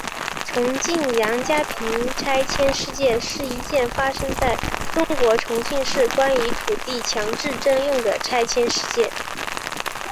重庆杨家坪拆迁事件是一件发生在中国重庆市关于土地强制征用的拆迁事件。